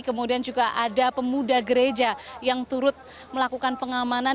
kemudian juga ada pemuda gereja yang turut melakukan pengamanan